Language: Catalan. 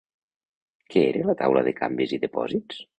Què era la Taula de Canvis i Depòsits?